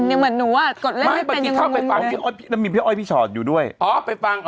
เหมือนหนูว่ากดเล่นพี่โชดอยู่ด้วยอ๋อไปฟังอ๋อ